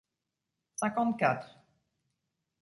cinquante-quatre